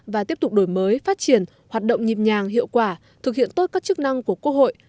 và tiếp tục đổi mới phát triển hoạt động nhịp nhàng hiệu quả thực hiện tốt các chức năng của quốc hội